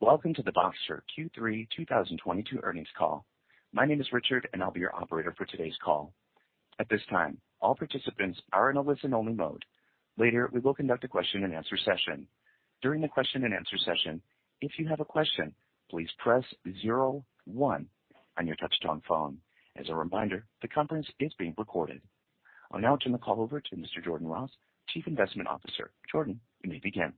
Welcome to the Voxtur Q3 2022 earnings call. My name is Richard, and I'll be your operator for today's call. At this time, all participants are in a listen-only mode. Later, we will conduct a question-and-answer session. During the question-and-answer session, if you have a question, please press zero one on your touchtone phone. As a reminder, the conference is being recorded. I'll now turn the call over to Mr. Jordan Ross, Chief Investment Officer. Jordan, you may begin.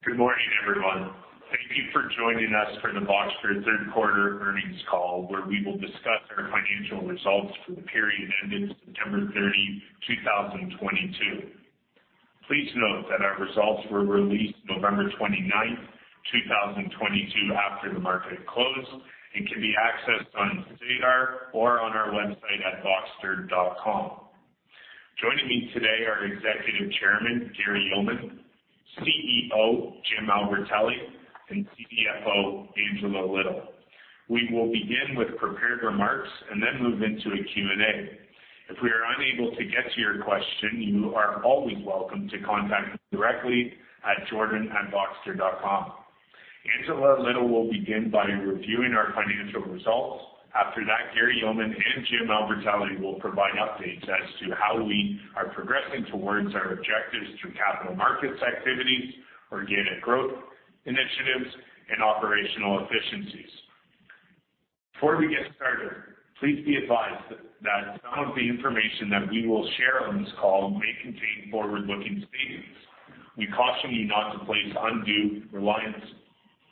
Good morning, everyone. Thank you for joining us for the Voxtur third quarter earnings call, where we will discuss our financial results for the period ending September 30th, 2022. Please note that our results were released November 29th, 2022, after the market closed, and can be accessed on SEDAR or on our website at voxtur.com. Joining me today are Executive Chairman, Gary Yeoman, CEO, Jim Albertelli, and CFO, Angela Little. We will begin with prepared remarks and then move into a Q&A. If we are unable to get to your question, you are always welcome to contact us directly at jordan@voxtur.com. Angela Little will begin by reviewing our financial results. After that, Gary Yeoman and Jim Albertelli will provide updates as to how we are progressing towards our objectives through capital markets activities, organic growth initiatives, and operational efficiencies. Before we get started, please be advised that some of the information that we will share on this call may contain forward-looking statements. We caution you not to place undue reliance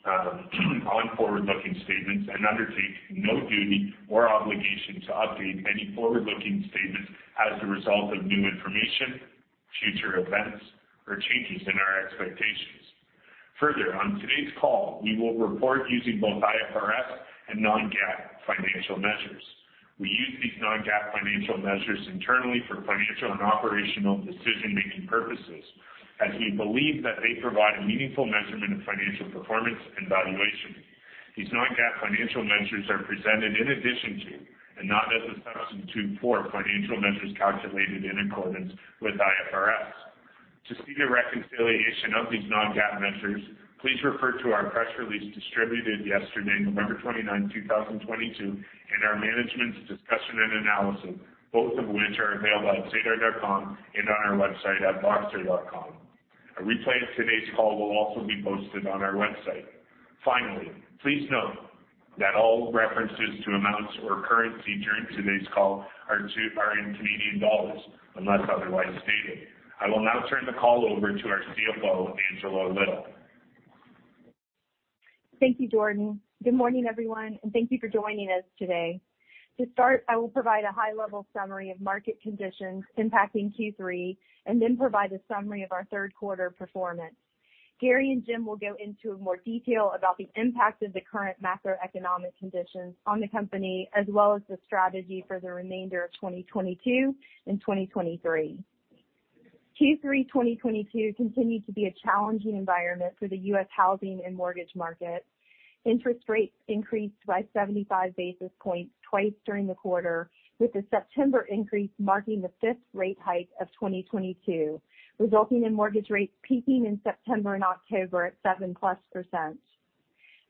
on forward-looking statements and undertake no duty or obligation to update any forward-looking statements as a result of new information, future events, or changes in our expectations. On today's call, we will report using both IFRS and non-GAAP financial measures. We use these non-GAAP financial measures internally for financial and operational decision-making purposes, as we believe that they provide a meaningful measurement of financial performance and valuation. These non-GAAP financial measures are presented in addition to and not as a substitute for financial measures calculated in accordance with IFRS. To see the reconciliation of these non-GAAP measures, please refer to our press release distributed yesterday, November 29th, 2022, and our management's discussion and analysis, both of which are available at sedar.com and on our website at voxtur.com. A replay of today's call will also be posted on our website. Finally, please note that all references to amounts or currency during today's call are in Canadian dollars, unless otherwise stated. I will now turn the call over to our CFO, Angela Little. Thank you, Jordan. Good morning, everyone, and thank you for joining us today. To start, I will provide a high-level summary of market conditions impacting Q3, and then provide a summary of our third quarter performance. Gary and Jim will go into more detail about the impact of the current macroeconomic conditions on the company, as well as the strategy for the remainder of 2022 and 2023. Q3 2022 continued to be a challenging environment for the U.S. housing and mortgage market. Interest rates increased by 75 basis points twice during the quarter, with the September increase marking the fifth rate hike of 2022, resulting in mortgage rates peaking in September and October at 7%+.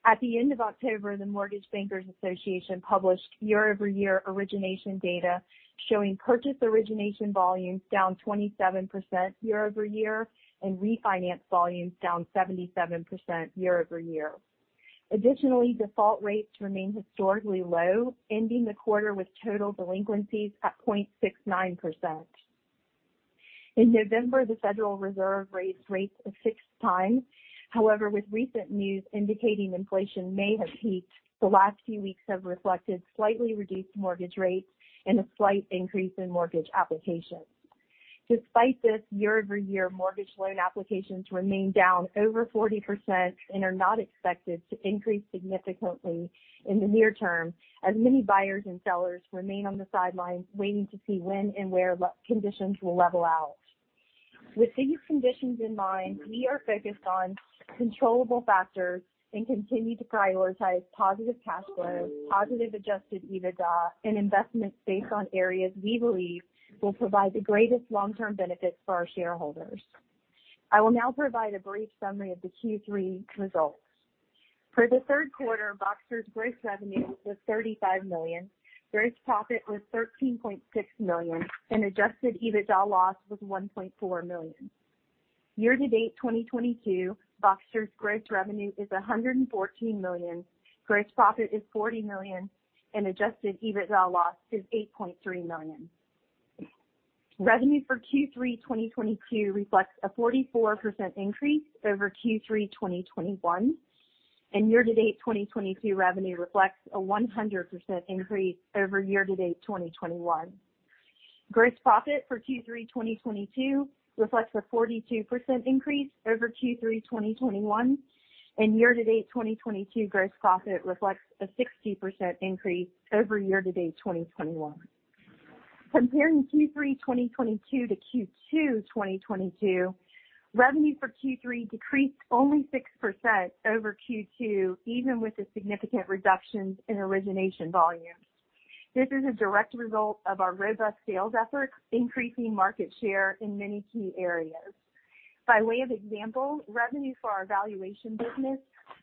At the end of October, the Mortgage Bankers Association published year-over-year origination data showing purchase origination volumes down 27% year-over-year and refinance volumes down 77% year-over-year. Additionally, default rates remain historically low, ending the quarter with total delinquencies at 0.69%. In November, the Federal Reserve raised rates a sixth time. With recent news indicating inflation may have peaked, the last few weeks have reflected slightly reduced mortgage rates and a slight increase in mortgage applications. Despite this, year-over-year mortgage loan applications remain down over 40% and are not expected to increase significantly in the near term as many buyers and sellers remain on the sidelines waiting to see when and where conditions will level out. With these conditions in mind, we are focused on controllable factors and continue to prioritize positive cash flow, positive adjusted EBITDA, and investments based on areas we believe will provide the greatest long-term benefits for our shareholders. I will now provide a brief summary of the Q3 results. For the third quarter, Voxtur's gross revenue was 35 million. Gross profit was 13.6 million, and adjusted EBITDA loss was 1.4 million. Year-to-date 2022, Voxtur's gross revenue is 114 million. Gross profit is 40 million, and adjusted EBITDA loss is 8.3 million. Revenue for Q3 2022 reflects a 44% increase over Q3 2021. Year-to-date 2022 revenue reflects a 100% increase over year-to-date 2021. Gross profit for Q3 2022 reflects a 42% increase over Q3 2021. Year-to-date 2022 gross profit reflects a 60% increase over year-to-date 2021. Comparing Q3 2022 to Q2 2022, revenue for Q3 decreased only 6% over Q2, even with the significant reductions in origination volumes. This is a direct result of our robust sales efforts, increasing market share in many key areas. By way of example, revenue for our valuation business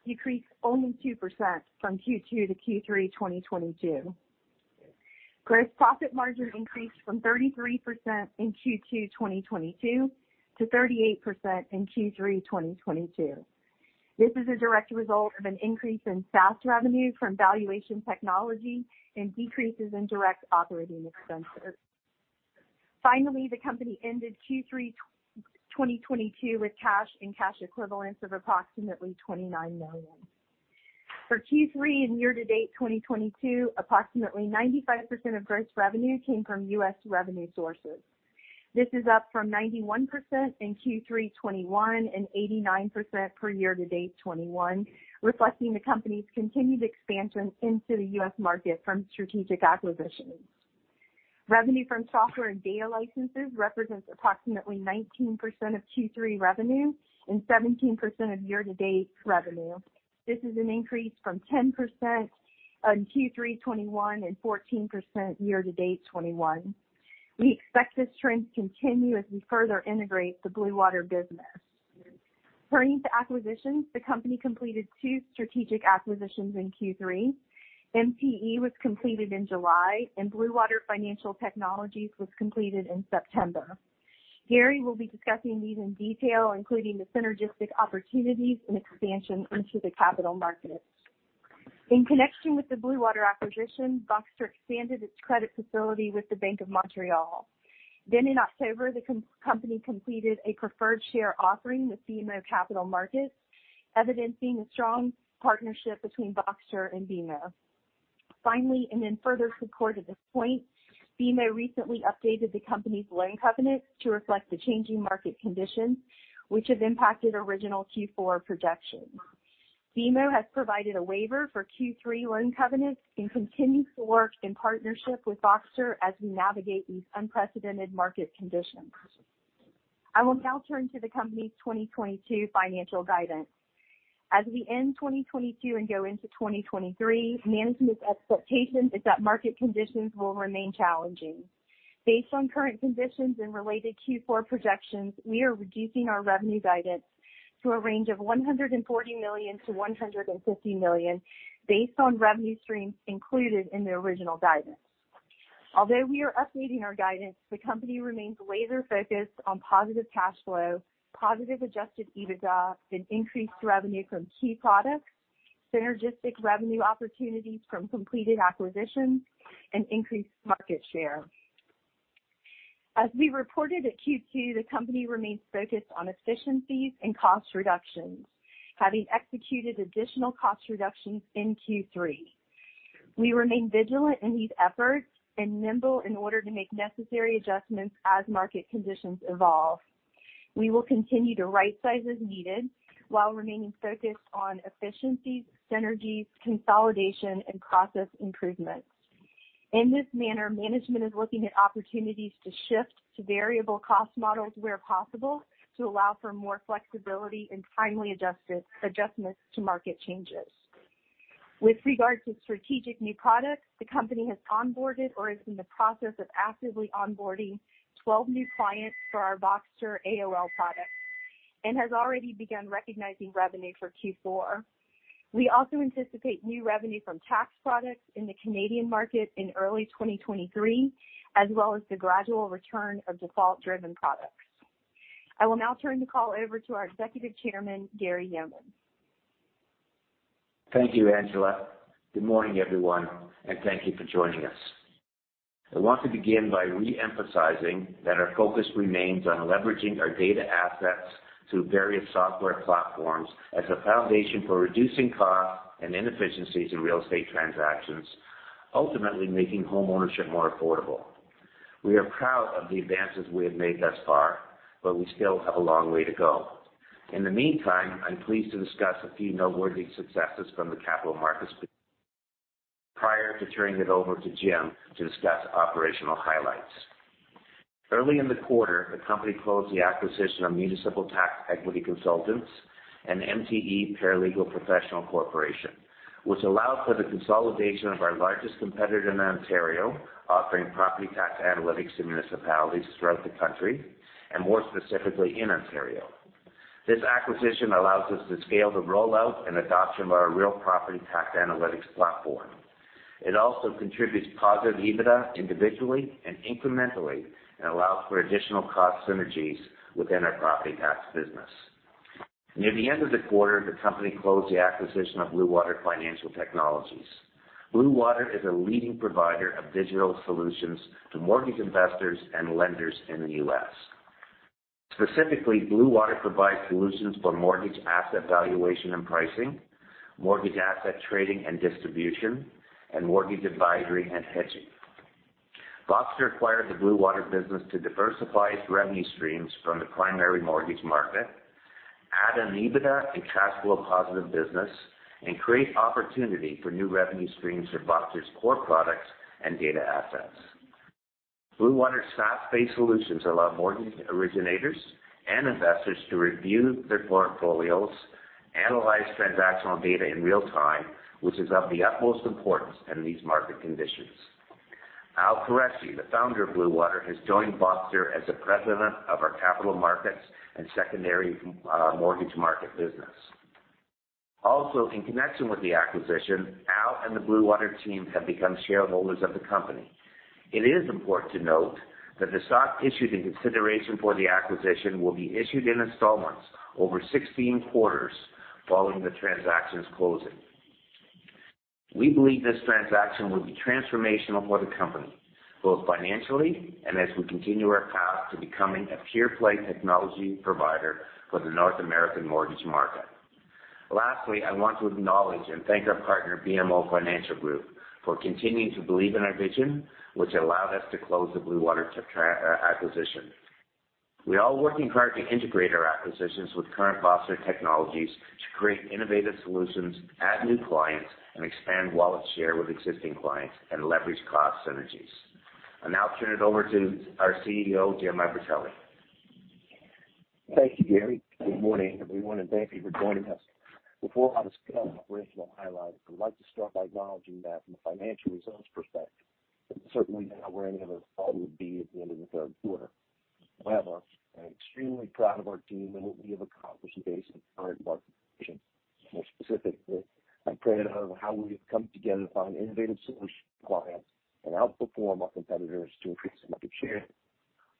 decreased only 2% from Q2 to Q3 2022. Gross profit margin increased from 33% in Q2 2022 to 38% in Q3 2022. This is a direct result of an increase in SaaS revenue from valuation technology and decreases in direct operating expenses. Finally, the company ended Q3 2022 with cash and cash equivalents of approximately $29 million. For Q3 and year-to-date 2022, approximately 95% of gross revenue came from U.S. Revenue sources. This is up from 91% in Q3 2021 and 89% for year-to-date 2021, reflecting the company's continued expansion into the U.S. market from strategic acquisitions. Revenue from software and data licenses represents approximately 19% of Q3 revenue and 17% of year-to-date revenue. This is an increase from 10% on Q3 2021 and 14% year-to-date 2021. We expect this trend to continue as we further integrate the Blue Water business. Turning to acquisitions, the company completed two strategic acquisitions in Q3. MTE was completed in July, and Blue Water Financial Technologies was completed in September. Gary Yeoman will be discussing these in detail, including the synergistic opportunities and expansion into the capital markets. In connection with the Blue Water acquisition, Voxtur expanded its credit facility with the Bank of Montreal. In October, the company completed a preferred share offering with BMO Capital Markets, evidencing a strong partnership between Voxtur and BMO. Finally, in further support of this point, BMO recently updated the company's loan covenants to reflect the changing market conditions, which have impacted original Q4 projections. BMO has provided a waiver for Q3 loan covenants and continues to work in partnership with Voxtur as we navigate these unprecedented market conditions. I will now turn to the company's 2022 financial guidance. As we end 2022 and go into 2023, management's expectation is that market conditions will remain challenging. Based on current conditions and related Q4 projections, we are reducing our revenue guidance to a range of 140 million-150 million based on revenue streams included in the original guidance. Although we are updating our guidance, the company remains laser-focused on positive cash flow, positive adjusted EBITDA and increased revenue from key products, synergistic revenue opportunities from completed acquisitions, and increased market share. As we reported at Q2, the company remains focused on efficiencies and cost reductions, having executed additional cost reductions in Q3. We remain vigilant in these efforts and nimble in order to make necessary adjustments as market conditions evolve. We will continue to rightsize as needed while remaining focused on efficiencies, synergies, consolidation, and process improvements. In this manner, management is looking at opportunities to shift to variable cost models where possible to allow for more flexibility and timely adjustments to market changes. With regard to strategic new products, the company has onboarded or is in the process of actively onboarding 12 new clients for our Voxtur AOL product and has already begun recognizing revenue for Q4. We also anticipate new revenue from tax products in the Canadian market in early 2023, as well as the gradual return of default-driven products. I will now turn the call over to our Executive Chairman, Gary Yeoman. Thank you, Angela Little. Good morning, everyone. Thank you for joining us. I want to begin by re-emphasizing that our focus remains on leveraging our data assets through various software platforms as a foundation for reducing costs and inefficiencies in real estate transactions, ultimately making homeownership more affordable. We are proud of the advances we have made thus far, but we still have a long way to go. In the meantime, I'm pleased to discuss a few noteworthy successes from the capital markets prior to turning it over to Jim Albertelli to discuss operational highlights. Early in the quarter, the company closed the acquisition of Municipal Tax Equity Consultants and MTE Paralegal Professional Corporation, which allowed for the consolidation of our largest competitor in Ontario, offering property tax analytics to municipalities throughout the country, and more specifically in Ontario. This acquisition allows us to scale the rollout and adoption of our real property tax analytics platform. It also contributes positive EBITDA individually and incrementally and allows for additional cost synergies within our property tax business. Near the end of the quarter, the company closed the acquisition of Blue Water Financial Technologies. Blue Water is a leading provider of digital solutions to mortgage investors and lenders in the U.S. Specifically, Blue Water provides solutions for mortgage asset valuation and pricing, mortgage asset trading and distribution, and mortgage advisory and hedging. Voxtur acquired the Blue Water business to diversify its revenue streams from the primary mortgage market, add an EBITDA and cash flow positive business, and create opportunity for new revenue streams for Voxtur's core products and data assets. Blue Water's stock-based solutions allow mortgage originators and investors to review their portfolios, analyze transactional data in real time, which is of the utmost importance in these market conditions. Al Qureshi, the founder of Blue Water, has joined Voxtur as the President of our Capital Markets and Secondary Mortgage Market business. Also, in connection with the acquisition, Al and the Blue Water team have become shareholders of the company. It is important to note that the stock issued in consideration for the acquisition will be issued in installments over 16 quarters following the transaction's closing. We believe this transaction will be transformational for the company, both financially and as we continue our path to becoming a pure-play technology provider for the North American mortgage market. I want to acknowledge and thank our partner, BMO Financial Group, for continuing to believe in our vision, which allowed us to close the Blue Water acquisition. We are working hard to integrate our acquisitions with current Voxtur technologies to create innovative solutions, add new clients, and expand wallet share with existing clients and leverage cost synergies. I'll now turn it over to our CEO, Jim Albertelli. Thank you, Gary. Good morning, everyone, and thank you for joining us. Before I discuss operational highlights, I'd like to start by acknowledging that from a financial results perspective, this is certainly not where any of us thought we would be at the end of the third quarter. However, I'm extremely proud of our team and what we have accomplished based on the current market conditions. More specifically, I'm proud of how we have come together to find innovative solutions for clients and outperform our competitors to increase market share.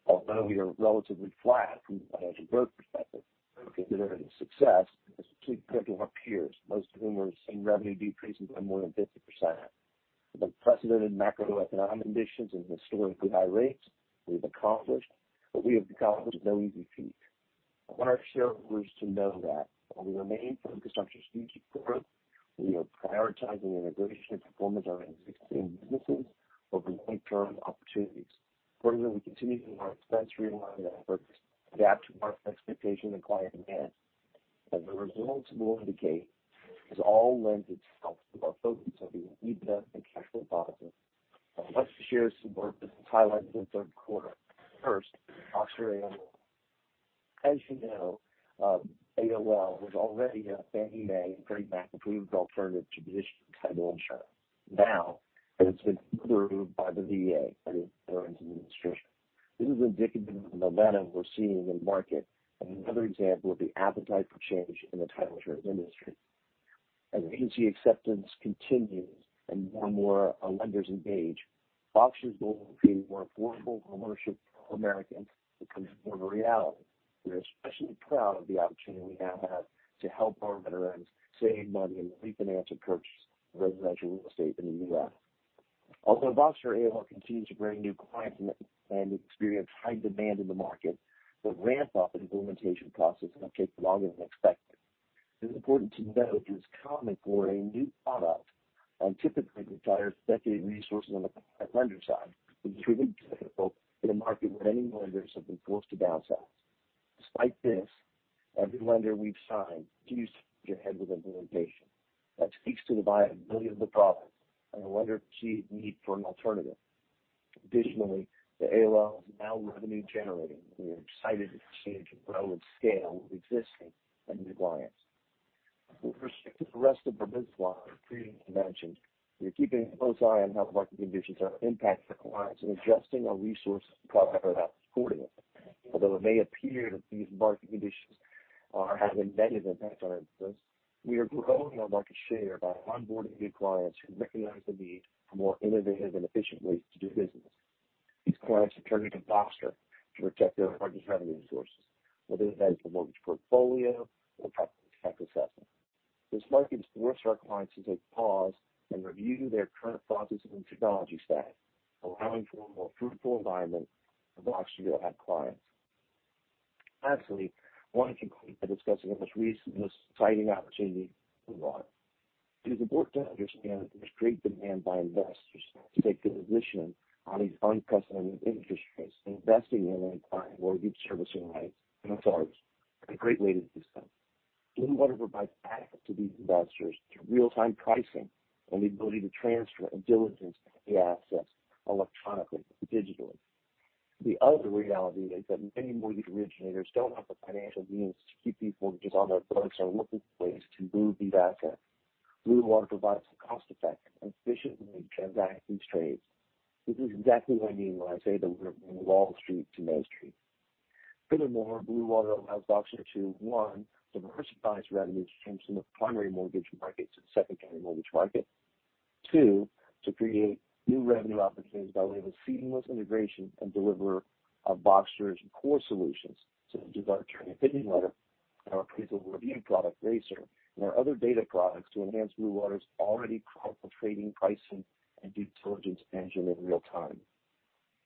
Although we are relatively flat from a financial growth perspective, I'm considering the success as particularly compared to our peers, most of whom are seeing revenue decreases by more than 50%. With unprecedented macroeconomic conditions and historically high rates, we have accomplished no easy feat. I want our shareholders to know that while we remain focused on strategic growth, we are prioritizing the integration and performance of our existing businesses over long-term opportunities. Furthermore, we continue our expense realignment efforts to adapt to market expectation and client demand. As the results will indicate, this all lends itself to our focus on being EBITDA and cash flow positive. I'd like to share some work that was highlighted in the third quarter. First, Voxtur AOL. As you know, AOL was already a Fannie Mae and Freddie Mac-approved alternative to traditional title insurance. Now that it's been approved by the VA, by the Veterans Administration. This is indicative of the momentum we're seeing in the market and another example of the appetite for change in the title insurance industry. As agency acceptance continues and more and more lenders engage, Voxtur's goal of creating more affordable homeownership for all Americans becomes more of a reality. We are especially proud of the opportunity we now have to help our veterans save money and refinance or purchase residential real estate in the U.S. Although Voxtur AOL continues to bring new clients and experience high demand in the market, the ramp-up and implementation process has now taken longer than expected. It is important to note it is common for a new product and typically requires dedicated resources on the lender side, which has been difficult in a market where many lenders have been forced to downsize. Despite this, every lender we've signed continues to with implementation. That speaks to the viability of the product and a lender's key need for an alternative. Additionally, the AOL is now revenue generating. We are excited to see it grow and scale with existing and new clients. With respect to the rest of the business line previously mentioned, we are keeping a close eye on how market conditions are impacting our clients and adjusting our resource and product road map accordingly. Although it may appear that these market conditions are having negative impacts on our business, we are growing our market share by onboarding new clients who recognize the need for more innovative and efficient ways to do business. These clients are turning to Voxtur to protect their hardest revenue sources, whether that is a mortgage portfolio or tax assessment. This market forces our clients to take pause and review their current processes and technology stack, allowing for a more fruitful environment for Voxtur to go add clients. Lastly, I want to conclude by discussing our most recent and most exciting opportunity, Blue Water. It is important to understand that there's great demand by investors to take a position on these unprecedented interest rates and investing in and acquiring mortgage servicing rights, MSRs, is a great way to do so. Blue Water provides access to these investors through real-time pricing and the ability to transfer and diligence the assets electronically, digitally. The other reality is that many mortgage originators don't have the financial means to keep these mortgages on their books and are looking for ways to move these assets. Blue Water provides a cost-effective and efficient way to transact these trades. This is exactly what I mean when I say that we're bringing Wall Street to Main Street. Blue Water allows Voxtur to, one, diversify its revenues from the primary mortgage market to the secondary mortgage market. Two, to create new revenue opportunities by way of a seamless integration and deliver of Voxtur's core solutions such as our Attorney Opinion Letter, our appraisal review product, RACR, and our other data products to enhance Blue Water's already powerful trading, pricing, and due diligence engine in real time.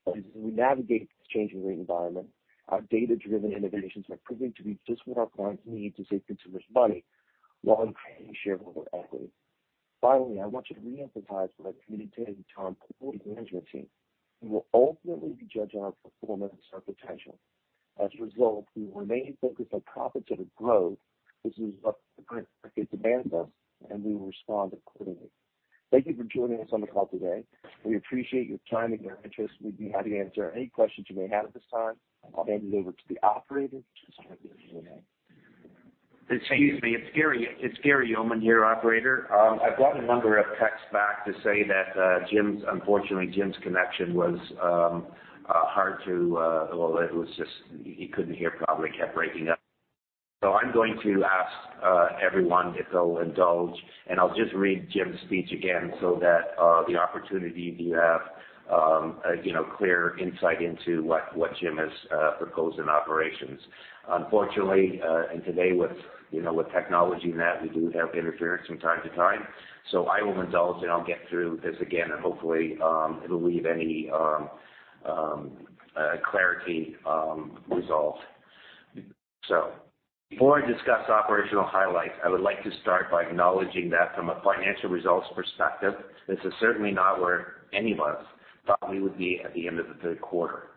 As we navigate this changing rate environment, our data-driven innovations are proving to be just what our clients need to save consumers money while increasing shareholder equity. Finally, I want you to reemphasize what I communicated to Tom Poole and the management team, who will ultimately be judging our performance and our potential. As a result, we remain focused on profits over growth. This is what the current market demands us, and we will respond accordingly. Thank you for joining us on the call today. We appreciate your time and your interest. We'd be happy to answer any questions you may have at this time. I'll hand it over to the operator to start the Q&A. Excuse me. It's Gary Yeoman here, operator. I've gotten a number of texts back to say that unfortunately, Jim's connection was hard to, well, it was just he couldn't hear properly, kept breaking up. I'm going to ask everyone if they'll indulge, and I'll just read Jim's speech again so that the opportunity to have a, you know, clear insight into what Jim has proposed in operations. Unfortunately, and today with, you know, with technology and that, we do have interference from time to time. I will indulge, and I'll get through this again, and hopefully, it'll leave any clarity resolved. Before I discuss operational highlights, I would like to start by acknowledging that from a financial results perspective, this is certainly not where any of us thought we would be at the end of the third quarter.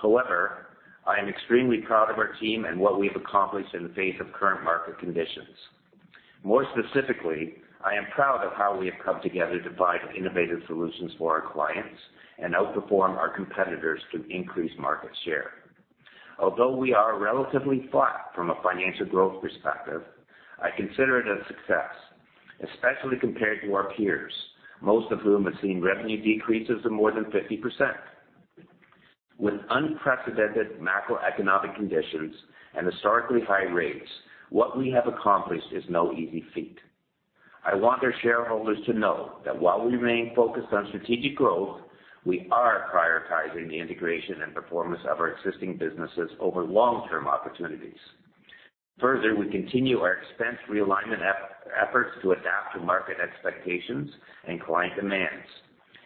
However, I am extremely proud of our team and what we've accomplished in the face of current market conditions. More specifically, I am proud of how we have come together to find innovative solutions for our clients and outperform our competitors through increased market share. Although we are relatively flat from a financial growth perspective, I consider it a success, especially compared to our peers, most of whom have seen revenue decreases of more than 50%. With unprecedented macroeconomic conditions and historically high rates, what we have accomplished is no easy feat. I want our shareholders to know that while we remain focused on strategic growth, we are prioritizing the integration and performance of our existing businesses over long-term opportunities. Further, we continue our expense realignment efforts to adapt to market expectations and client demands.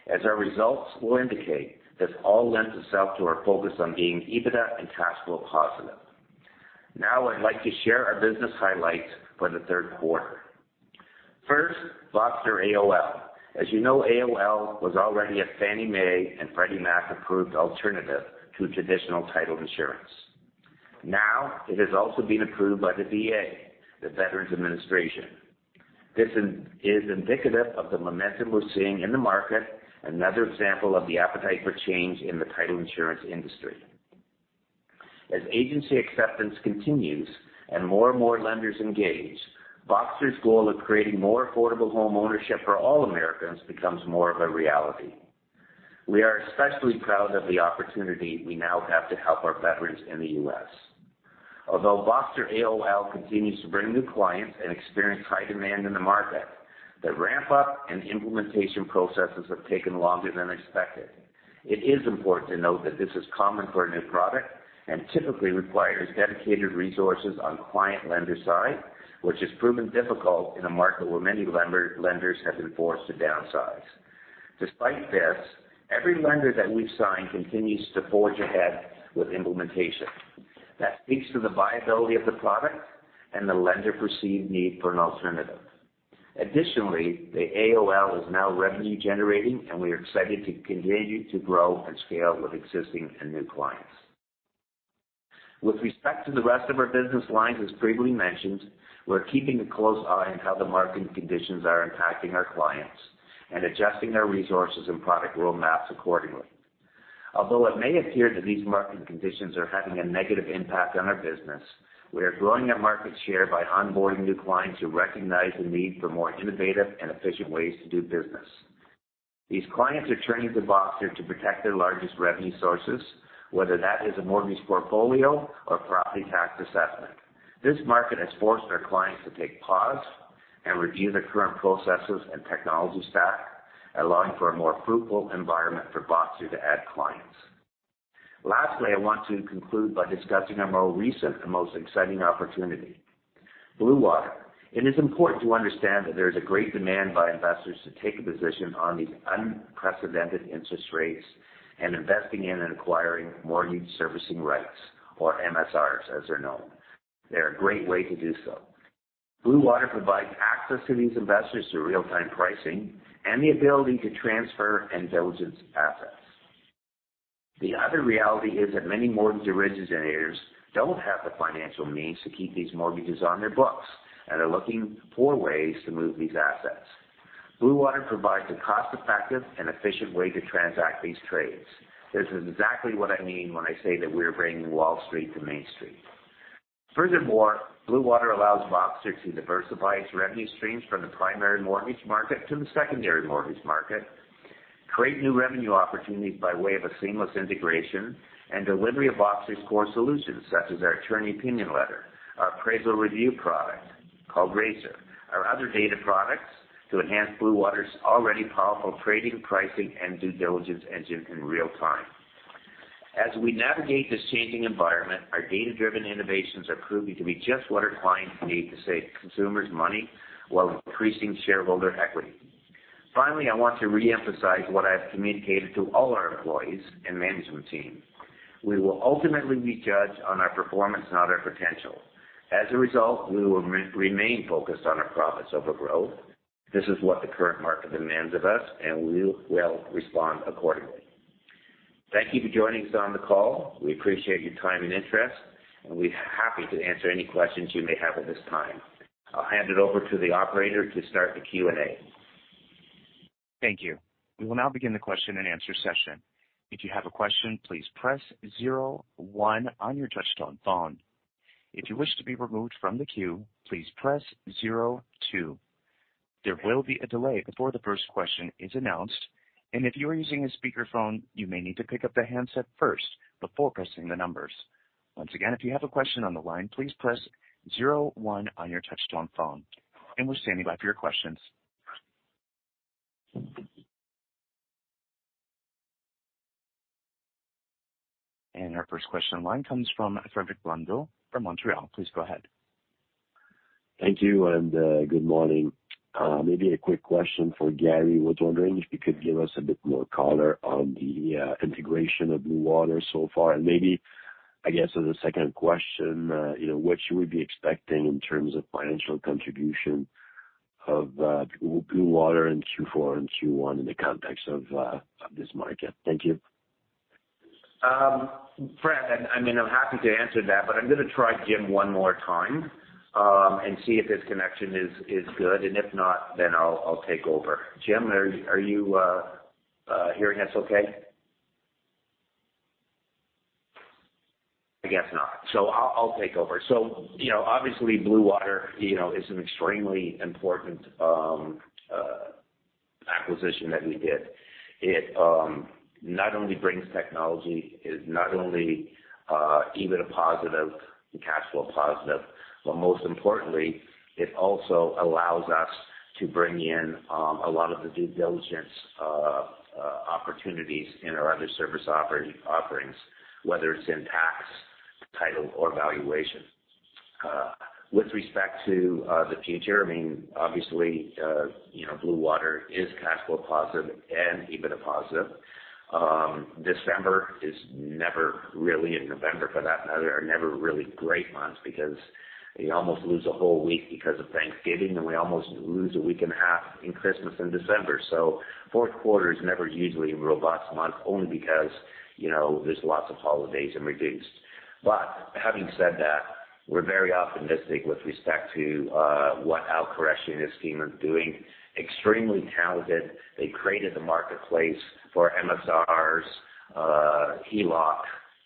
As our results will indicate, this all lends itself to our focus on being EBITDA and cash flow positive. Now I'd like to share our business highlights for the third quarter. First, Voxtur AOL. As you know, AOL was already a Fannie Mae and Freddie Mac-approved alternative to traditional title insurance. Now it has also been approved by the VA, the Veterans Administration. This is indicative of the momentum we're seeing in the market, another example of the appetite for change in the title insurance industry. As agency acceptance continues and more and more lenders engage, Voxtur's goal of creating more affordable homeownership for all Americans becomes more of a reality. We are especially proud of the opportunity we now have to help our veterans in the U.S. Voxtur AOL continues to bring new clients and experience high demand in the market, the ramp-up and implementation processes have taken longer than expected. It is important to note that this is common for a new product and typically requires dedicated resources on client lender side, which has proven difficult in a market where many lenders have been forced to downsize. Despite this, every lender that we've signed continues to forge ahead with implementation. That speaks to the viability of the product and the lender-perceived need for an alternative. The AOL is now revenue generating, and we are excited to continue to grow and scale with existing and new clients. With respect to the rest of our business lines, as previously mentioned, we're keeping a close eye on how the market conditions are impacting our clients and adjusting our resources and product roadmaps accordingly. It may appear that these market conditions are having a negative impact on our business, we are growing our market share by onboarding new clients who recognize the need for more innovative and efficient ways to do business. These clients are turning to Voxtur to protect their largest revenue sources, whether that is a mortgage portfolio or property tax assessment. This market has forced our clients to take pause and review their current processes and technology stack, allowing for a more fruitful environment for Voxtur to add clients. Lastly, I want to conclude by discussing our more recent and most exciting opportunity, Blue Water. It is important to understand that there is a great demand by investors to take a position on these unprecedented interest rates and investing in and acquiring mortgage servicing rights, or MSRs, as they're known. They're a great way to do so. Blue Water provides access to these investors through real-time pricing and the ability to transfer and diligence assets. The other reality is that many mortgage originators don't have the financial means to keep these mortgages on their books and are looking for ways to move these assets. Blue Water provides a cost-effective and efficient way to transact these trades. This is exactly what I mean when I say that we're bringing Wall Street to Main Street. Furthermore, Blue Water allows Voxtur to diversify its revenue streams from the primary mortgage market to the secondary mortgage market, create new revenue opportunities by way of a seamless integration, and delivery of Voxtur's core solutions, such as our Attorney Opinion Letter, our appraisal review product called RACR, our other data products to enhance Blue Water's already powerful trading, pricing, and due diligence engine in real time. As we navigate this changing environment, our data-driven innovations are proving to be just what our clients need to save consumers money while increasing shareholder equity. Finally, I want to reemphasize what I have communicated to all our employees and management team. We will ultimately be judged on our performance, not our potential. As a result, we will remain focused on our profits over growth. This is what the current market demands of us, and we will respond accordingly. Thank you for joining us on the call. We appreciate your time and interest. We're happy to answer any questions you may have at this time. I'll hand it over to the operator to start the Q&A. Thank you. We will now begin the question-and-answer session. If you have a question, please press zero one on your touch-tone phone. If you wish to be removed from the queue, please press zero two. There will be a delay before the first question is announced. If you are using a speakerphone, you may need to pick up the handset first before pressing the numbers. Once again, if you have a question on the line, please press zero one on your touch-tone phone. We're standing by for your questions. Our first question in line comes from Frederic Blondeau from Laurentian Bank Securities. Please go ahead. Thank you and good morning. Maybe a quick question for Gary. Was wondering if you could give us a bit more color on the integration of Blue Water so far? Maybe, I guess, as a second question, you know, what you would be expecting in terms of financial contribution of Blue Water in Q4 and Q1 in the context of this market? Thank you. Fred, I mean, I'm happy to answer that, but I'm gonna try Jim one more time and see if his connection is good. If not, then I'll take over. You know, obviously, Blue Water, you know, is an extremely important acquisition that we did. It not only brings technology, it not only EBITDA positive and cash flow positive, but most importantly, it also allows us to bring in a lot of the due diligence opportunities in our other service offerings, whether it's in tax, title or valuation. With respect to the future, I mean, obviously, you know, Blue Water is cash flow positive and EBITDA positive. December is never really, and November for that matter, are never really great months because we almost lose a whole week because of Thanksgiving, and we almost lose a week and a half in Christmas and December. fourth quarter is never usually a robust month only because, you know, there's lots of holidays and reduced. Having said that, we're very optimistic with respect to what Alan Qureshi and his team are doing. Extremely talented. They created the marketplace for MSRs, HELOC,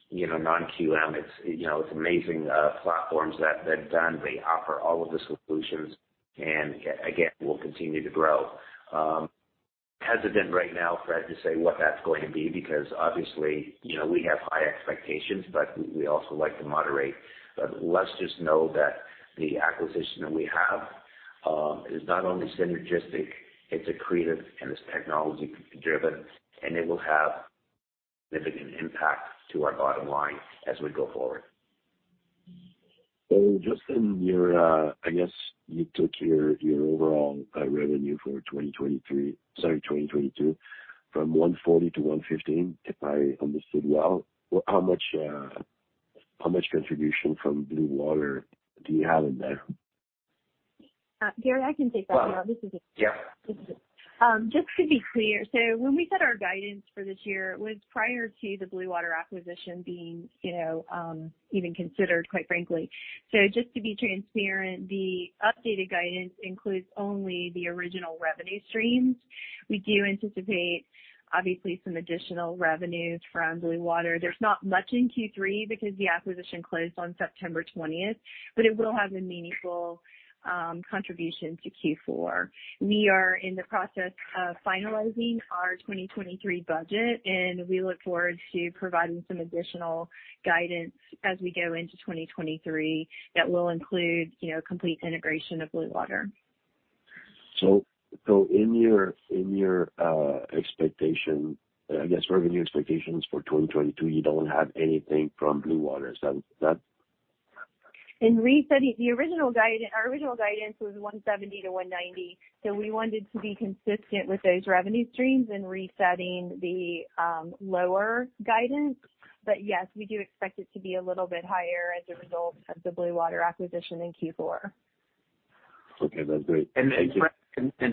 you know, non-QM. It's, you know, it's amazing platforms that they've done. They offer all of the solutions, and again, will continue to grow. Hesitant right now, Fred, to say what that's going to be because obviously, you know, we have high expectations, but we also like to moderate. Let's just know that the acquisition that we have, is not only synergistic, it's accretive, and it's technology driven, and it will have significant impact to our bottom line as we go forward. Just in your, I guess you took your overall revenue for 2023, sorry, 2022 from 140 to 115, if I understood you well. How much, how much contribution from Blue Water do you have in there? Gary, I can take that. Yeah. This is Angela Little. Just to be clear, when we set our guidance for this year, it was prior to the Blue Water acquisition being, you know, even considered, quite frankly. Just to be transparent, the updated guidance includes only the original revenue streams. We do anticipate, obviously, some additional revenues from Blue Water. There's not much in Q3 because the acquisition closed on September 20th, it will have a meaningful contribution to Q4. We are in the process of finalizing our 2023 budget, we look forward to providing some additional guidance as we go into 2023 that will include, you know, complete integration of Blue Water. In your expectation, I guess, revenue expectations for 2022, you don't have anything from Blue Water. Is that? In resetting the original guidance. Our original guidance was 170-190. We wanted to be consistent with those revenue streams in resetting the lower guidance. Yes, we do expect it to be a little bit higher as a result of the Blue Water acquisition in Q4. Okay, that's great. Thank you.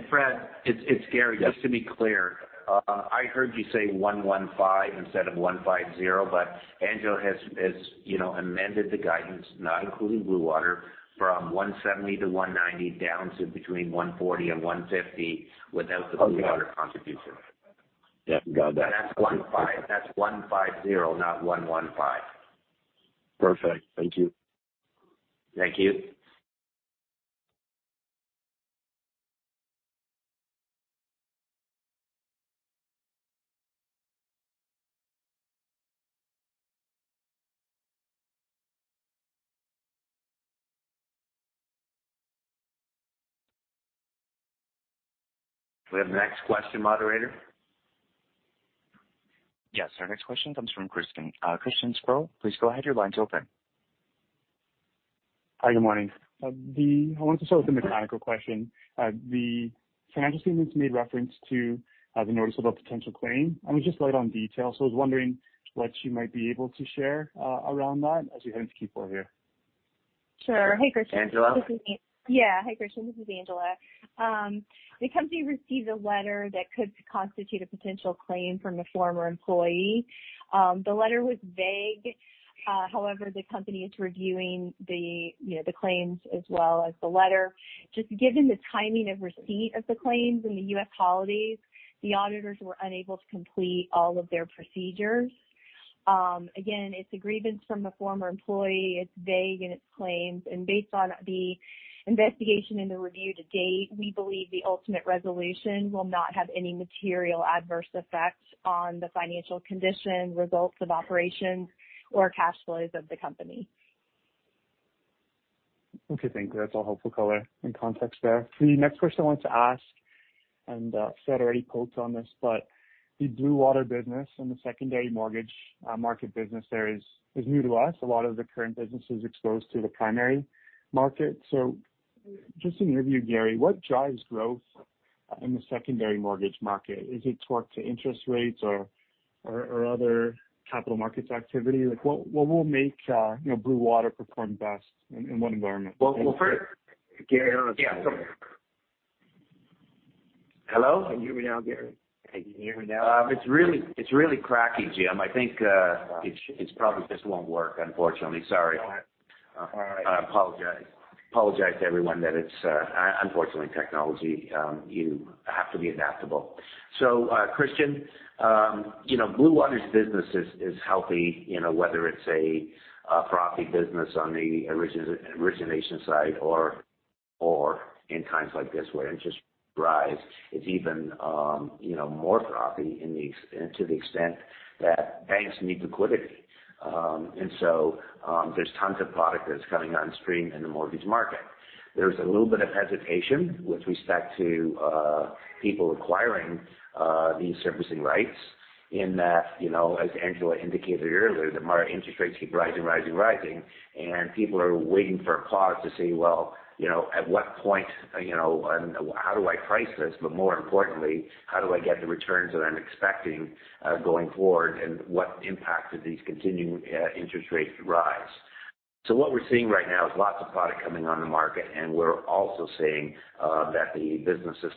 Fred, it's Gary. Just to be clear, I heard you say 115 instead of 150, but Angela has, you know, amended the guidance, not including Blue Water, from 170-190 down to between 140 and 150 without the Blue Water contribution. Okay. Yeah, got that. That's 150, not 115. Perfect. Thank you. Thank you. We have the next question, moderator. Our next question comes from Christian Sgro from Eight Capital. Christian Sgro, please go ahead. Your line's open. Hi, good morning. I want to start with the mechanical question. The financial statements made reference to, the notice about potential claim, and it was just light on details. I was wondering what you might be able to share, around that as we head into Q4 here. Sure. Hey, Christian. Angela. yeah. Hi, Christian. This is Angela. The company received a letter that could constitute a potential claim from a former employee. The letter was vague. The company is reviewing the, you know, the claims as well as the letter. Just given the timing of receipt of the claims and the U.S. holidays, the auditors were unable to complete all of their procedures. Again, it's a grievance from the former employee. It's vague in its claims. Based on the investigation and the review to date, we believe the ultimate resolution will not have any material adverse effects on the financial condition, results of operations or cash flows of the company. Okay, thanks. That's all helpful color and context there. The next question I want to ask, and Seth already poked on this, but the Blue Water business and the secondary mortgage market business there is new to us. A lot of the current business is exposed to the primary market. Just in your view, Gary Yeoman, what drives growth in the secondary mortgage market? Is it taught to interest rates or other capital markets activity? Like, what will make, you know, Blue Water perform best in what environment? Well, first. Gary. Yeah. Sorry. Hello? Can you hear me now, Gary? Can you hear me now? It's really crackly, Jim. I think it probably just won't work, unfortunately. Sorry. All right. I apologize. Apologize to everyone that it's unfortunately, technology, you have to be adaptable. Christian, you know, Blue Water's business is healthy, you know, whether it's a profit business on the origination side or in times like this where interest rise, it's even, you know, more profit to the extent that banks need liquidity. There's tons of product that's coming on stream in the mortgage market. There's a little bit of hesitation with respect to people acquiring these servicing rights in that, you know, as Angela indicated earlier, the interest rates keep rising, rising, and people are waiting for a pause to say, "Well, you know, at what point, how do I price this? More importantly, how do I get the returns that I'm expecting, going forward, and what impact do these continuing interest rates rise? What we're seeing right now is lots of product coming on the market, and we're also seeing that the business is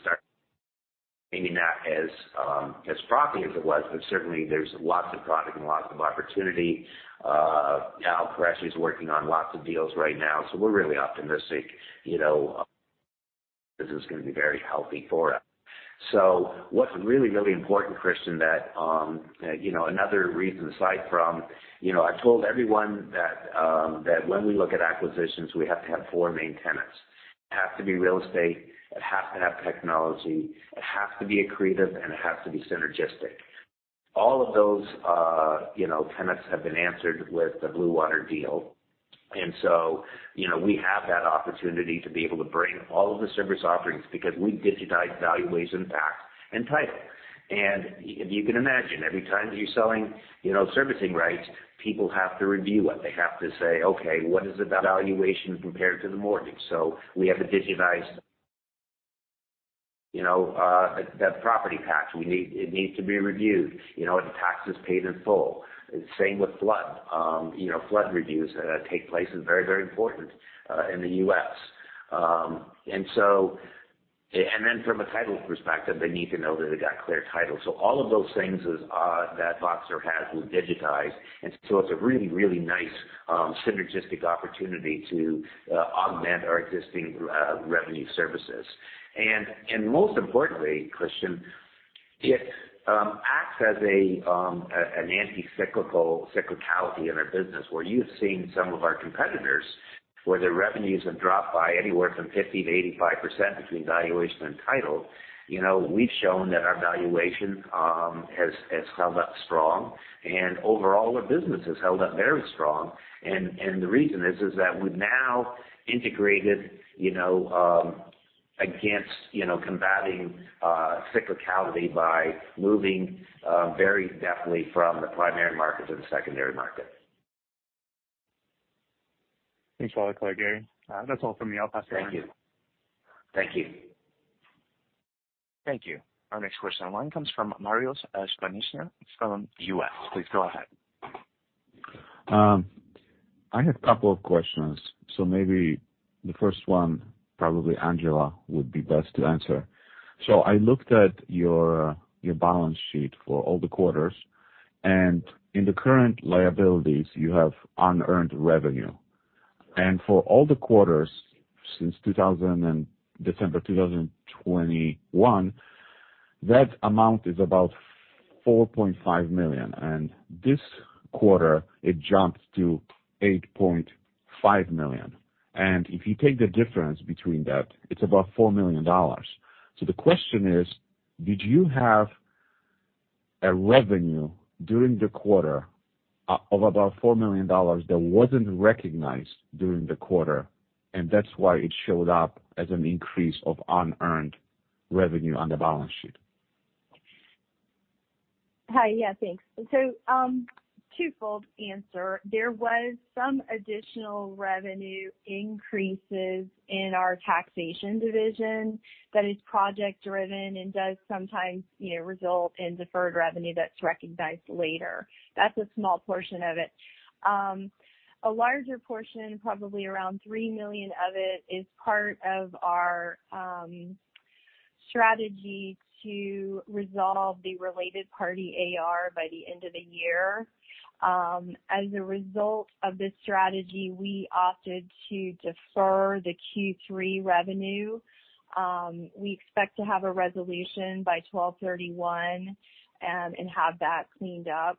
starting, maybe not as profit as it was, but certainly there's lots of product and lots of opportunity. Alan Qureshi is working on lots of deals right now, so we're really optimistic, you know, this is gonna be very healthy for us. What's really, really important, Christian Sgro, that, you know, I told everyone that when we look at acquisitions, we have to have four main tenants. It has to be real estate, it has to have technology, it has to be accretive, and it has to be synergistic. All of those, you know, tenants have been answered with the Blue Water deal. You know, we have that opportunity to be able to bring all of the service offerings because we digitize valuations, tax, and title. You can imagine every time you're selling, you know, servicing rights, people have to review it. They have to say, "Okay, what is the valuation compared to the mortgage?" We have to digitize, you know, that property tax. It needs to be reviewed, you know, if the tax is paid in full. The same with flood. You know, flood reviews take place and very, very important in the U.S. Then from a title perspective, they need to know that they got clear title. All of those things is that Voxtur has, we've digitized. It's a really, really nice synergistic opportunity to augment our existing revenue services. Most importantly, Christian Sgro, it acts as an anti-cyclical cyclicality in our business, where you've seen some of our competitors, where their revenues have dropped by anywhere from 50%-85% between valuation and title. You know, we've shown that our valuation has held up strong and overall our business has held up very strong. The reason is that we've now integrated, you know, against, you know, combating cyclicality by moving very definitely from the primary market to the secondary market. Thanks a lot of clarity, Gary. That's all from me. I'll pass it on. Thank you. Thank you. Thank you. Our next question online comes from Mariusz Skonieczny from U.S. Please go ahead. I have a couple of questions. Maybe the first one, probably Angela would be best to answer. I looked at your balance sheet for all the quarters, and in the current liabilities, you have unearned revenue. For all the quarters since December 2021, that amount is about 4.5 million. This quarter, it jumped to 8.5 million. If you take the difference between that, it's about 4 million dollars. The question is, did you have a revenue during the quarter of about 4 million dollars that wasn't recognized during the quarter, and that's why it showed up as an increase of unearned revenue on the balance sheet? Hi. Yeah, thanks. Twofold answer. There was some additional revenue increases in our taxation division that is project-driven and does sometimes, you know, result in deferred revenue that's recognized later. That's a small portion of it. A larger portion, probably around 3 million of it, is part of our Strategy to resolve the related party AR by the end of the year. As a result of this strategy, we opted to defer the Q3 revenue. We expect to have a resolution by December 31st, and have that cleaned up.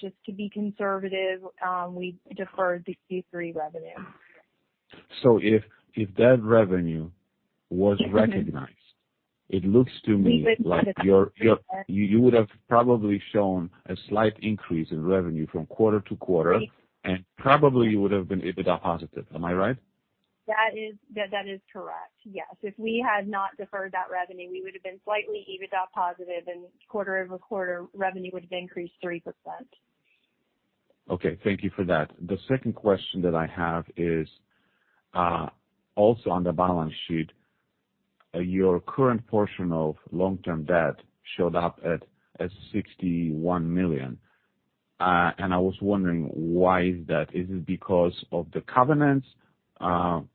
Just to be conservative, we deferred the Q3 revenue. If that revenue was recognized, it looks to me like you would have probably shown a slight increase in revenue from quarter to quarter, and probably you would have been EBITDA positive. Am I right? That is correct. Yes. If we had not deferred that revenue, we would have been slightly EBITDA positive and quarter-over-quarter revenue would have increased 3%. Okay. Thank you for that. The second question that I have is also on the balance sheet. Your current portion of long-term debt showed up at 61 million. I was wondering why is that? Is it because of the covenants?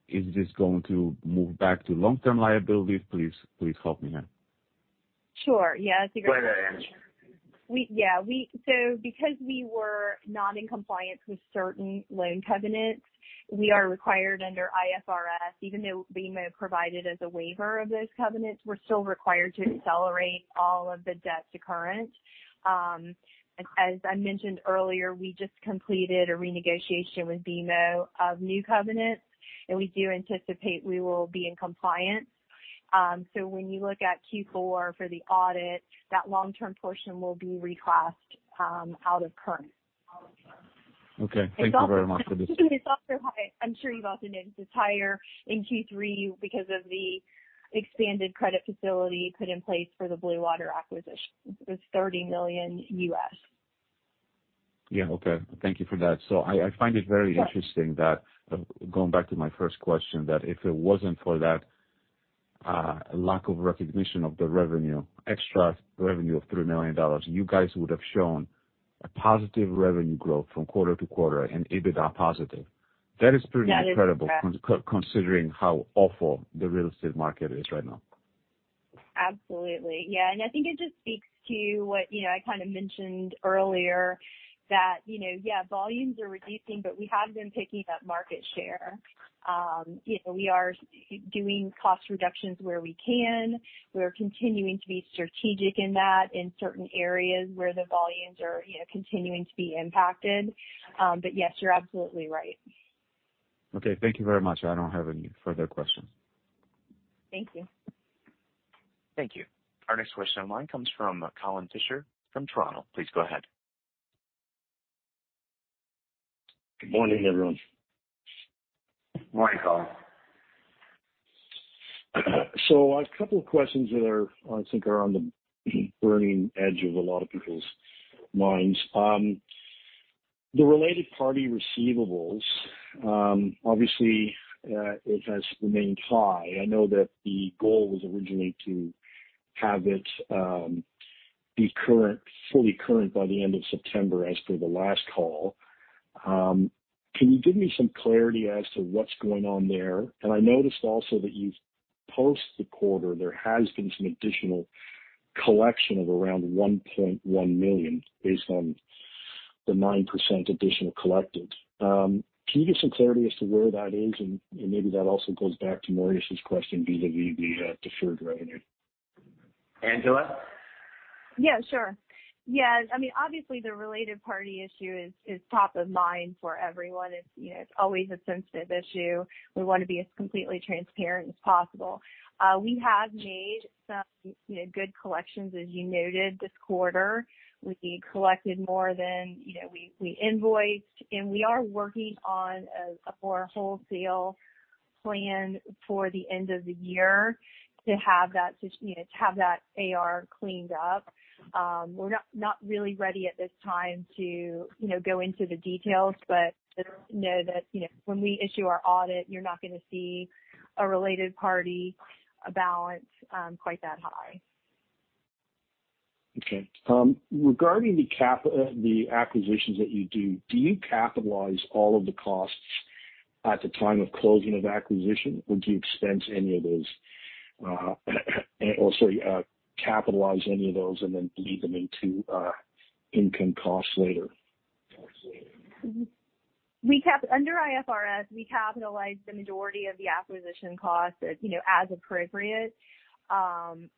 Is this going to move back to long-term liabilities? Please help me here. Sure. Yeah, that's a great question. Go ahead, Angela. Because we were not in compliance with certain loan covenants, we are required under IFRS, even though BMO provided us a waiver of those covenants, we're still required to accelerate all of the debt to current. As I mentioned earlier, we just completed a renegotiation with BMO of new covenants, we do anticipate we will be in compliance. When you look at Q4 for the audit, that long-term portion will be reclassed out of current. Okay. Thank you very much for this. It's also high. I'm sure you've also noted it's higher in Q3 because of the expanded credit facility put in place for the Blue Water acquisition. It was $30 million. Yeah. Okay. Thank you for that. I find it very interesting that going back to my first question, that if it wasn't for that, lack of recognition of the revenue, extra revenue of $3 million, you guys would have shown a positive revenue growth from quarter-over-quarter and EBITDA positive. That is correct. That is pretty incredible considering how awful the real estate market is right now. Absolutely. Yeah. I think it just speaks to what, you know, I kind of mentioned earlier that, you know, yeah, volumes are reducing, but we have been picking up market share. You know, we are doing cost reductions where we can. We're continuing to be strategic in that in certain areas where the volumes are, you know, continuing to be impacted. Yes, you're absolutely right. Okay, thank you very much. I don't have any further questions. Thank you. Thank you. Our next question in line comes from Colin Fisher from Garrison Creek. Please go ahead. Good morning, everyone. Morning, Colin. A couple of questions I think are on the burning edge of a lot of people's minds. The related party receivables, obviously, it has remained high. I know that the goal was originally to have it be current, fully current by the end of September as per the last call. Can you give me some clarity as to what's going on there? I noticed also that you've post the quarter, there has been some additional collection of around 1.1 million based on the 9% additional collected. Can you give some clarity as to where that is? Maybe that also goes back to Mariusz's question vis-à-vis the deferred revenue. Angela? Yeah, sure. Yeah. I mean, obviously the related party issue is top of mind for everyone. It's, you know, it's always a sensitive issue. We want to be as completely transparent as possible. We have made some, you know, good collections, as you noted this quarter. We collected more than, you know, we invoiced. We are working on a wholesale plan for the end of the year to have that AR cleaned up. We're not really ready at this time to, you know, go into the details. Just know that, you know, when we issue our audit, you're not gonna see a related party balance quite that high. Regarding the acquisitions that you do you capitalize all of the costs at the time of closing of acquisition, or do you expense any of those? And also, capitalize any of those and then bleed them into income costs later? Under IFRS, we capitalize the majority of the acquisition costs as, you know, as appropriate.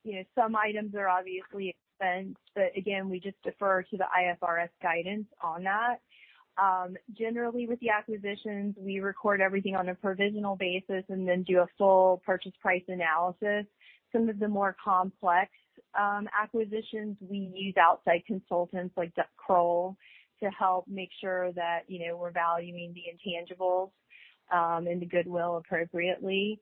you know, some items are obviously expensed, but again, we just defer to the IFRS guidance on that. Generally with the acquisitions, we record everything on a provisional basis and then do a full purchase price analysis. Some of the more complex acquisitions we use outside consultants like Duff & Phelps to help make sure that, you know, we're valuing the intangibles and the goodwill appropriately.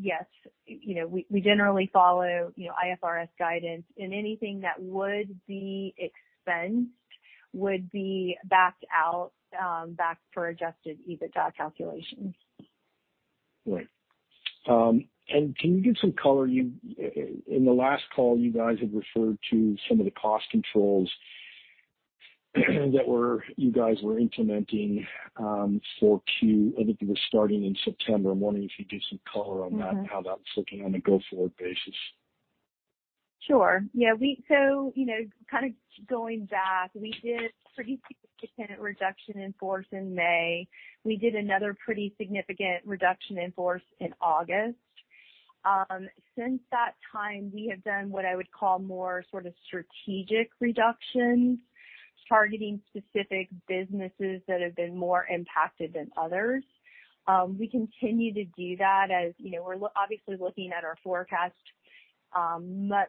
Yes, you know, we generally follow, you know, IFRS guidance and anything that would be expensed would be backed out, backed for adjusted EBITDA calculations. Right. Can you give some color? In the last call, you guys had referred to some of the cost controls you guys were implementing, I think it was starting in September. I'm wondering if you could give some color on that. How that's looking on a go-forward basis? Sure. Yeah, you know, kind of going back, we did pretty significant reduction in force in May. We did another pretty significant reduction in force in August. Since that time, we have done what I would call more sort of strategic reductions, targeting specific businesses that have been more impacted than others. We continue to do that. As you know, we're obviously looking at our forecast,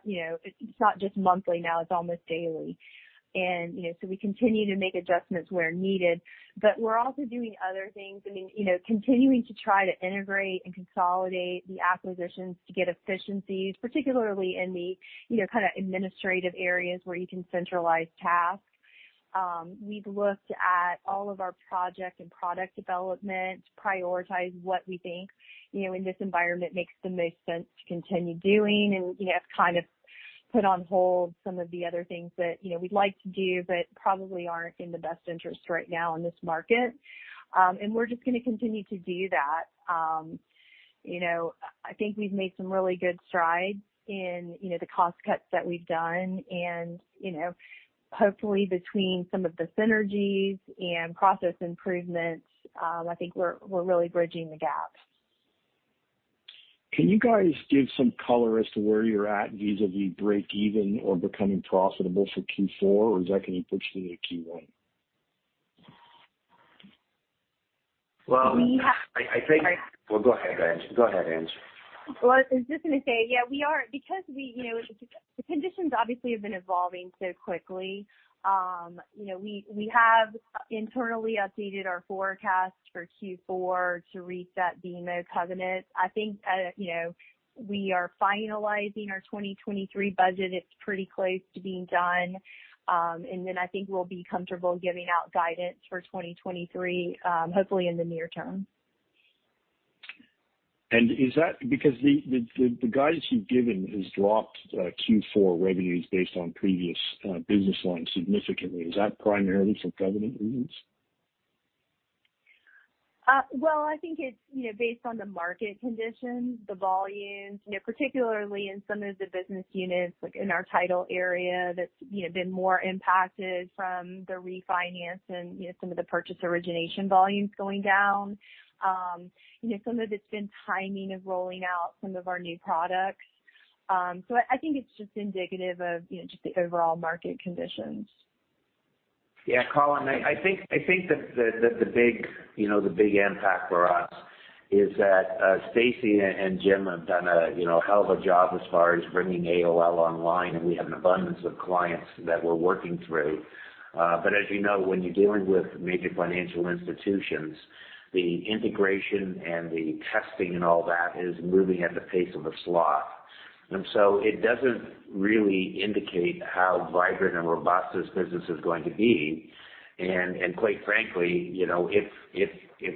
you know, it's not just monthly now, it's almost daily. You know, we continue to make adjustments where needed. We're also doing other things. I mean, you know, continuing to try to integrate and consolidate the acquisitions to get efficiencies, particularly in the, you know, kind of administrative areas where you can centralize tasks. We've looked at all of our project and product development, prioritized what we think, you know, in this environment makes the most sense to continue doing and, you know, kind of put on hold some of the other things that, you know, we'd like to do but probably aren't in the best interest right now in this market. We're just gonna continue to do that. You know, I think we've made some really good strides in, you know, the cost cuts that we've done. You know, hopefully between some of the synergies and process improvements, I think we're really bridging the gaps. Can you guys give some color as to where you're at vis-a-vis break even or becoming profitable for Q4? Is that going to push into Q1? Well- We have- I think- Well, go ahead, Ange. Go ahead, Angela. Well, I was just gonna say, yeah, because we, you know, the conditions obviously have been evolving so quickly, you know, we have internally updated our forecast for Q4 to reset the MO covenant. I think, you know, we are finalizing our 2023 budget. It's pretty close to being done. I think we'll be comfortable giving out guidance for 2023, hopefully in the near term. Is that because the guidance you've given has dropped Q4 revenues based on previous business lines significantly? Is that primarily for covenant reasons? Well, I think it's, you know, based on the market conditions, the volumes, you know, particularly in some of the business units, like in our title area, that's, you know, been more impacted from the refinancing, you know, some of the purchase origination volumes going down. You know, some of it's been timing of rolling out some of our new products. I think it's just indicative of, you know, just the overall market conditions. Yeah, Colin, I think that the big, you know, the big impact for us is that Stacy and Jim have done a hell of a job as far as bringing AOL online, and we have an abundance of clients that we're working through. As you know, when you're dealing with major financial institutions, the integration and the testing and all that is moving at the pace of a sloth. It doesn't really indicate how vibrant and robust this business is going to be. Quite frankly, you know, if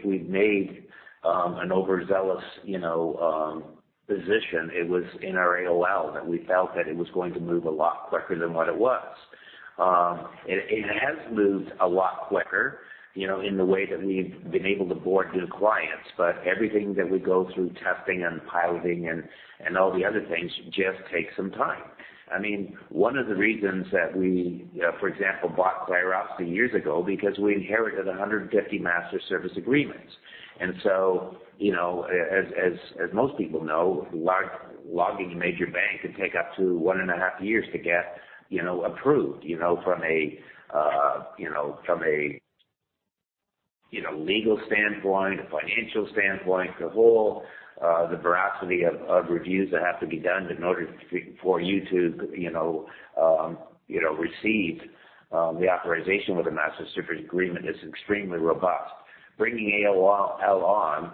we've made an overzealous, you know, position, it was in our AOL that we felt that it was going to move a lot quicker than what it was. It, it has moved a lot quicker, you know, in the way that we've been able to board new clients, but everything that we go through testing and piloting and all the other things just take some time. I mean, one of the reasons that we, for example, bought Clarocity seven years ago, because we inherited 150 master service agreements. You know, as most people know, logging a major bank can take up to one and a half years to get, you know, approved, you know, from a, you know, from a, you know, legal standpoint, a financial standpoint, the whole, the veracity of reviews that have to be done in order for you to, you know, receive the authorization with a master service agreement is extremely robust. Bringing AOL on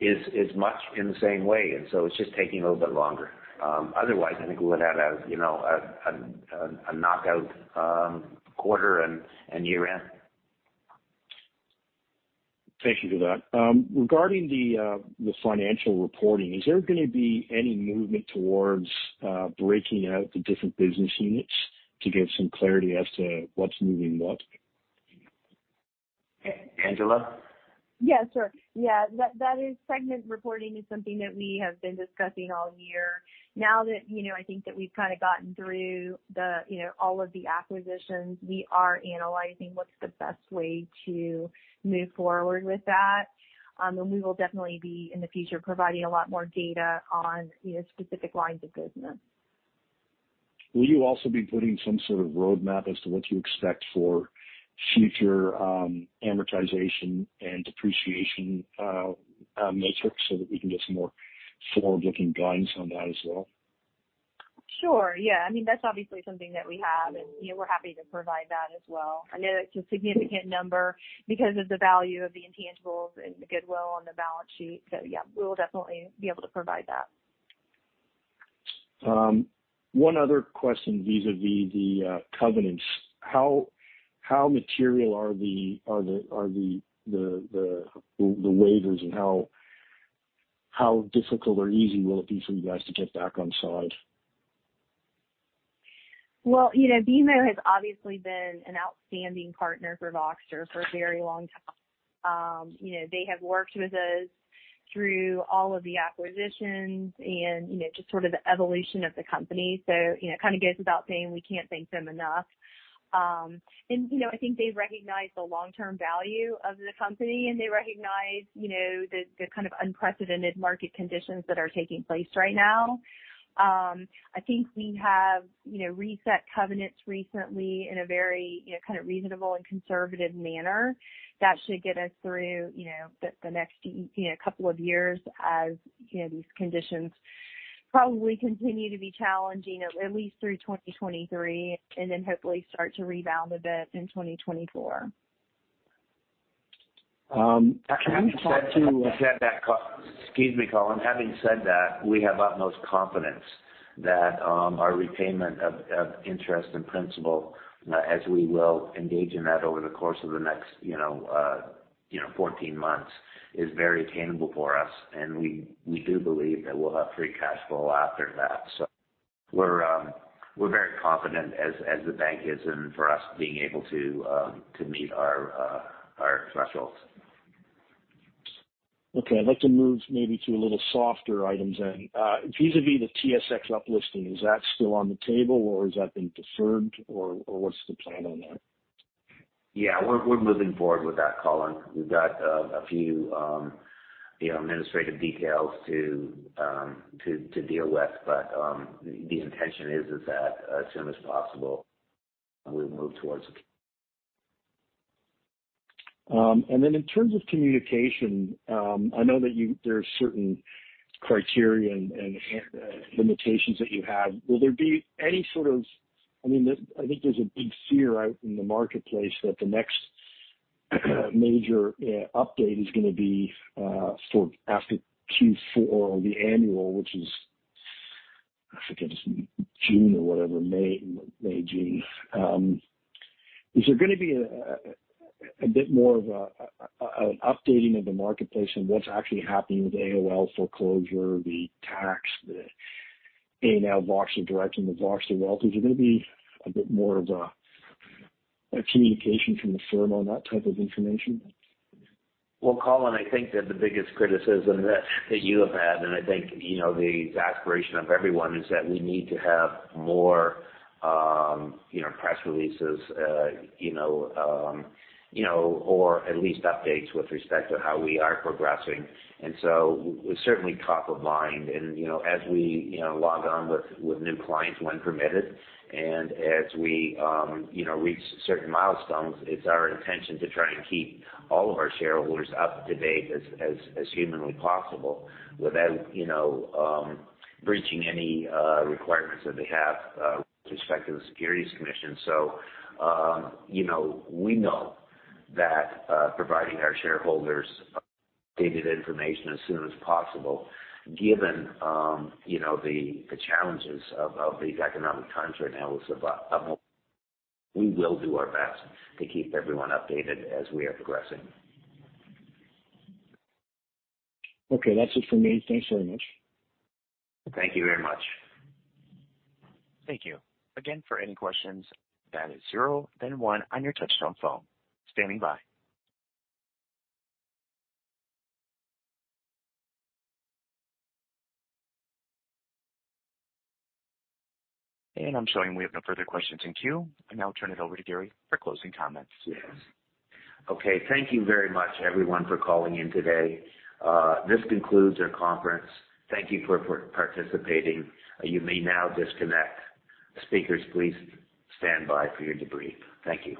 is much in the same way. It's just taking a little bit longer. Otherwise, I think we would have a, you know, a knockout quarter and year-end. Thank you for that. Regarding the financial reporting, is there gonna be any movement towards breaking out the different business units to give some clarity as to what's moving what? Angela? Yeah, sure. Yeah, segment reporting is something that we have been discussing all year. Now that, you know, I think that we've kind of gotten through the, you know, all of the acquisitions, we are analyzing what's the best way to move forward with that. We will definitely be, in the future, providing a lot more data on, you know, specific lines of business. Will you also be putting some sort of roadmap as to what you expect for future amortization and depreciation metrics so that we can get some more forward-looking guidance on that as well? Sure. Yeah. I mean, that's obviously something that we have, and, you know, we're happy to provide that as well. I know it's a significant number because of the value of the intangibles and the goodwill on the balance sheet. Yeah, we will definitely be able to provide that. One other question vis-a-vis the covenants. How material are the waivers, and how difficult or easy will it be for you guys to get back on side? Well, you know, BMO has obviously been an outstanding partner for Voxtur for a very long time. You know, they have worked with us through all of the acquisitions and, you know, just sort of the evolution of the company. You know, it kind of goes without saying we can't thank them enough. You know, I think they recognize the long-term value of the company and they recognize, you know, the kind of unprecedented market conditions that are taking place right now. I think we have, you know, reset covenants recently in a very, you know, kind of reasonable and conservative manner that should get us through, you know, the next, you know, couple of years as, you know, these conditions probably continue to be challenging at least through 2023 and then hopefully start to rebound a bit in 2024. Having said that. Excuse me, Colin. Having said that, we have utmost confidence that our repayment of interest and principal as we will engage in that over the course of the next, you know, 14 months is very attainable for us. We do believe that we'll have free cash flow after that. We're very confident as the bank is and for us being able to meet our thresholds. Okay. I'd like to move maybe to a little softer items then. Vis-à-vis the TSX up listing, is that still on the table or has that been deferred or what's the plan on that? We're moving forward with that, Colin. We've got a few, you know, administrative details to deal with, but the intention is that as soon as possible we'll move towards it. In terms of communication, I know that there are certain criteria and limitations that you have. I mean, I think there's a big fear out in the marketplace that the next major update is gonna be sort of after Q4 or the annual, which is, I forget, it's June or whatever, May, June. Is there gonna be a bit more of an updating of the marketplace and what's actually happening with the AOL foreclosure, the tax, the A&L Voxtur Direct and the VoxturWealth? Is there gonna be a bit more of a communication from the firm on that type of information? Well, Colin, I think that the biggest criticism that you have had, and I think, you know, the aspiration of everyone, is that we need to have more, you know, press releases, you know, or at least updates with respect to how we are progressing. We're certainly top of mind and, you know, as we, you know, log on with new clients when permitted and as we, you know, reach certain milestones, it's our intention to try and keep all of our shareholders up to date as humanly possible without, you know, breaching any requirements that we have with respect to the Securities Commission. So, we know that providing our shareholders updated information as soon as possible, given, you know, the challenges of these economic times we're in now is of more. We will do our best to keep everyone updated as we are progressing. Okay. That's it for me. Thanks very much. Thank you very much. Thank you. Again, for any questions, dial zero then one on your touchtone phone. Standing by. I'm showing we have no further questions in queue. I now turn it over to Gary for closing comments. Yes. Okay. Thank you very much everyone for calling in today. This concludes our conference. Thank you for participating. You may now disconnect. Speakers, please stand by for your debrief. Thank you.